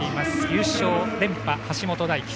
優勝は連覇、橋本大輝。